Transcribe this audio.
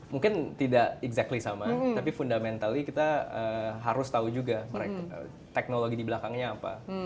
mungkin tidak exactly sama tapi fundamentally kita harus tahu juga teknologi di belakangnya apa